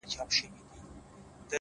خدايه زارۍ کومه سوال کومه _